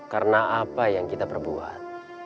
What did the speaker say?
karena apa yang kita perbuat